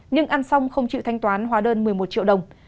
nhưng ăn xong không chịu thanh toán hóa đơn một mươi một triệu đồng